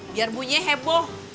biar bunyinya heboh